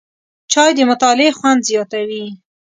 چای د مطالعې خوند زیاتوي